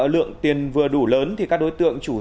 lượng tiền vừa đủ lớn các đối tượng chủ dạy